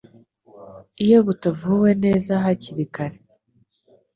iyo butavuwe neza hakiri kare.